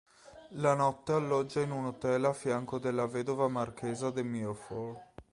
La notte alloggia in un hotel a fianco della vedova Marchesa de Mirliflor.